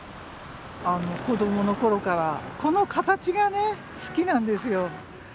子どもの頃からこの形がね好きなんですよ。